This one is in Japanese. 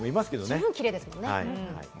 十分、キレイですもんね。